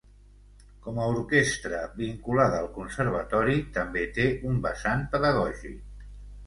Com a orquestra vinculada al Conservatori també té un vessant pedagògic.